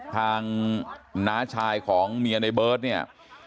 น้าชายของเมียในเบิร์ตเนี่ย